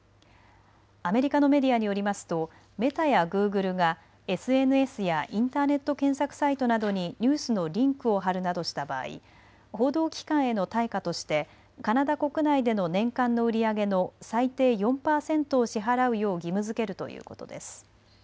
アメリカのメディアによりますとメタやグーグルがＳＮＳやインターネット検索サイトなどにニュースのリンクを貼るなどした場合、報道機関への対価としてカナダ国内での年間の売り上げの最低４％を支払うよう義務づけるということです。